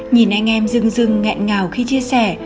nhìn anh em rưng rưng ngẹn ngào khi chia sẻ